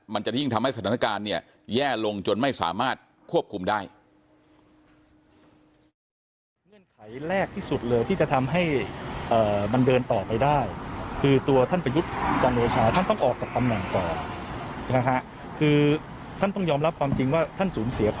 มันจะยิ่งทำให้สถานการณ์เนี่ยแย่ลงจนไม่สามารถควบคุมได้